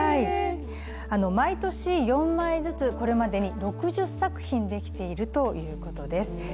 毎年４枚ずつこれまでに６０作品できているということです。